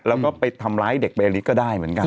แล้วก็ไปทำร้ายเด็กเบลิกก็ได้เหมือนกัน